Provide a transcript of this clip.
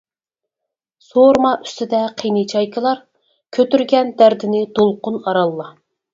سورىما ئۈستىدە قېنى چايكىلار؟ كۆتۈرگەن دەردىنى دولقۇن ئارانلا.